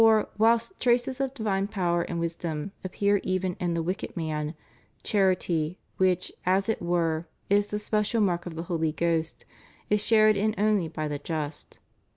For, whilst traces of divine power and wisdom appear even in the wicked man, charity, which, as it were, is the special mark of the Holy Ghost, is shared in only by the just.